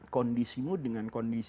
kondisimu dengan kondisimu